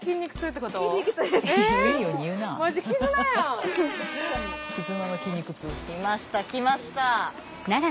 来ました来ました。